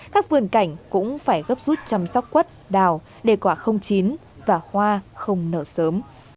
các vườn cảnh cũng phải gấp rút chăm sóc quất đào để quả không chín và hoa không nở sớm